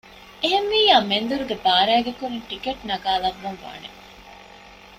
އެހެންވިއްޔާ މެންދުރު ބާރައިގެ ކުރިން ޓިކެޓް ނަގާލައްވަން ވާނެ